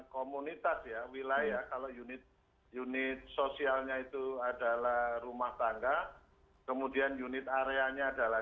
komunitas ya wilayah kalau unit unit sosialnya itu adalah rumah tangga kemudian unit areanya adalah